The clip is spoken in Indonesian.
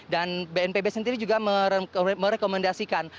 dan bnpb sendiri juga merekomendasikan